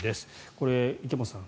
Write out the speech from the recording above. これ、池本さん